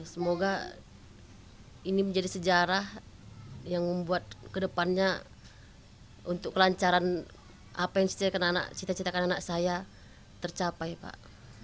semoga ini menjadi sejarah yang membuat kedepannya untuk kelancaran apa yang cita citakan anak saya tercapai pak